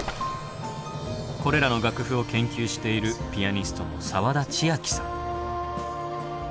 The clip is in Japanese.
これらの楽譜を研究しているピアニストの沢田千秋さん。